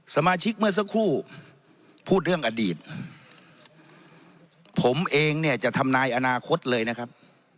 สมาชิกเมื่อสักครู่พูดเรื่องอดีตผมเองเนี่ยจะทำนายอนาคตเลยนะครับ